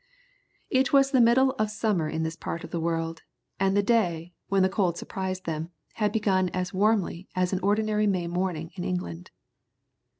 It was the middle of summer in this part of the world, and the day, when the cold surprised them, had begun as warmly as an ordinary May morning in England.